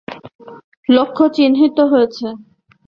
লক্ষ্য চিহ্নিত হয়েছে।